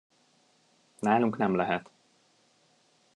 Nálunk nem lehet.